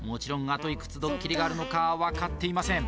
あといくつドッキリがあるのか分かっていません